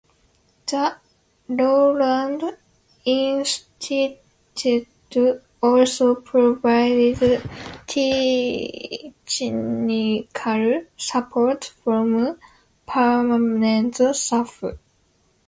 The Rowland Institute also provides technical support from permanent staff.